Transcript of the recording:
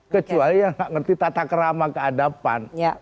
kecuali yang gak ngerti tata kerama keadaban